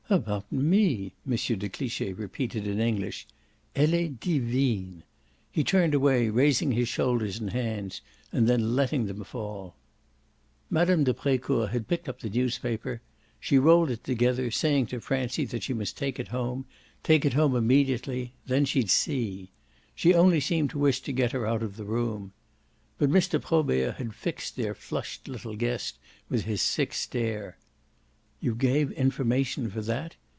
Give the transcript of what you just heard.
"'About me'!" M. de Cliche repeated in English. "Elle est divine!" He turned away, raising his shoulders and hands and then letting them fall. Mme. de Brecourt had picked up the newspaper; she rolled it together, saying to Francie that she must take it home, take it home immediately then she'd see. She only seemed to wish to get her out of the room. But Mr. Probert had fixed their flushed little guest with his sick stare. "You gave information for that?